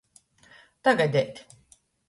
Tagadeit.